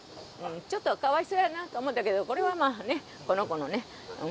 ちょっと可哀想やなって思ったけどこれはまあね、この子の。